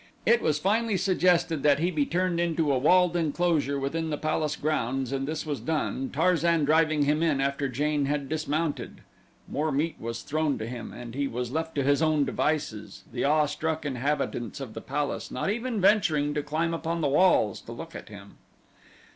It was finally suggested that he be turned into a walled enclosure within the palace grounds and this was done, Tarzan driving him in after Jane had dismounted. More meat was thrown to him and he was left to his own devices, the awe struck inhabitants of the palace not even venturing to climb upon the walls to look at him.